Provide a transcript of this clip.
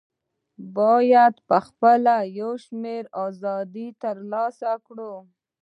بايد خپل يو شمېر آزادۍ د لاسه ورکړي